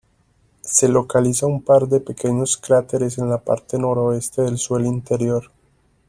Se localiza un par de pequeños cráteres en la parte noroeste del suelo interior.